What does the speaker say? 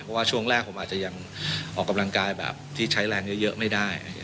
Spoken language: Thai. เพราะว่าช่วงแรกผมอาจจะยังออกกำลังกายแบบที่ใช้แรงเยอะไม่ได้